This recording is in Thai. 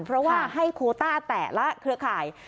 เพราะว่าให้โคต้าแต่ละเครือข่าย